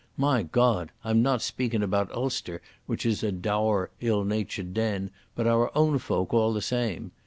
My Goad! I'm not speakin' about Ulster, which is a dour, ill natured den, but our own folk all the same.